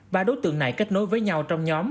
ba đối tượng này kết nối với nhau trong nhóm